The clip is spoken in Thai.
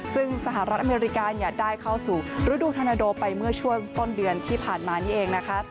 ซึ่งสหรัฐอเมริกาได้เข้าสู่ฤดูธนาโดไปเมื่อช่วงต้นเดือนที่ผ่านมานี่เองนะคะ